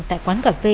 tại quán cà phê